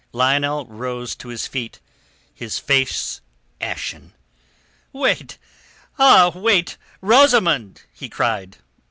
Lionel rose to his feet, his face ashen. "Wait! Ah, wait! Rosamund!" he cried.